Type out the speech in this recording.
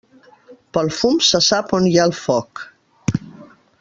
Pel fum se sap on hi ha el foc.